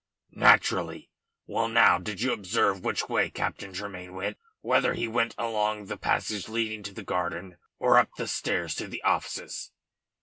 "Naturally. Well, now, did you observe which way Captain Tremayne went? whether he went along the passage leading to the garden or up the stairs to the offices?"